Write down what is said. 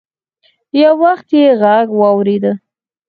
يو وخت يې غږ واورېد.